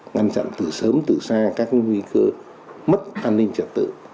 ngăn chặn từ sớm từ xa các nguy cơ mất an ninh trật tự